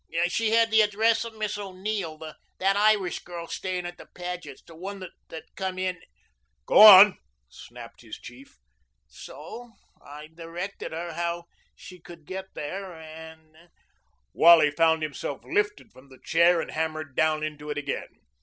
"She had the address of Miss O'Neill, that Irish girl staying at the Pagets, the one that came in " "Go on," snapped his chief. "So I directed her how she could get there and " Wally found himself lifted from the chair and hammered down into it again.